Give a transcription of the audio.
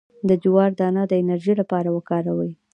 د جوار دانه د انرژي لپاره وکاروئ